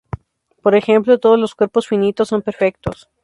Por ejemplo, todos los cuerpos finitos son perfectos.